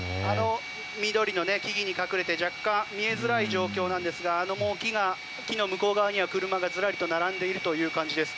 緑の木々に隠れて若干見えづらい状況ですがあの木の向こう側には車がずらりと並んでいるという状況です。